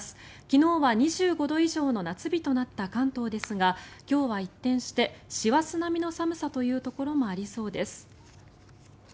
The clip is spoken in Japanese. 昨日は２５度以上の夏日となった関東ですが今日は一転して師走並みの寒さというところもありそうです。